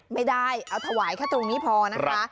ไม่ได้เเท่าไหร่ทำใหม่นี้พอนะคะ